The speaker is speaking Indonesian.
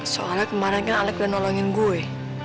soalnya kemarin kan alek udah nolongin gue